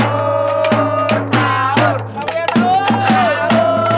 bangun ya sahur